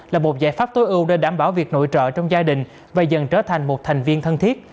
là một giải pháp tối ưu để đảm bảo việc nội trợ trong gia đình và dần trở thành một thành viên thân thiết